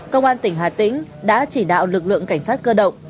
công an tỉnh hà tĩnh đã chỉ đạo lực lượng cảnh sát cơ động